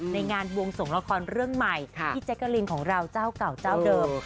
ในงานบวงสงละครเรื่องใหม่พี่แจ๊กกะลินของเราเจ้าเก่าเจ้าเดิม